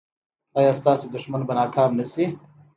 ایا ستاسو دښمن به ناکام نه شي؟